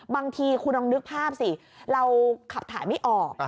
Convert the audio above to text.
บางทีคุณลองนึกภาพสิเราขับถ่ายไม่ออก